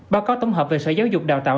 báo cáo tổng hợp về sở giáo dục đào tạo